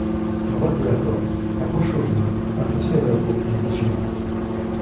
À droite de la porte, accrochés au mur, un petit lavabo et un essuie-mains.